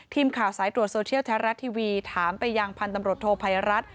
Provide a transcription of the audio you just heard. ทีมข่าวสายตรวจโซเชียลแท้รัฐทีวีถามไปยังพันธุ์ตำรวจโทภัยรัฐ